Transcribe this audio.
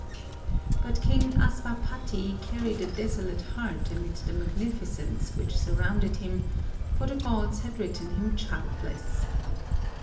But King Asva pati carried a desolate heart amid the magnificence which surrounded him, for the gods had written him childless.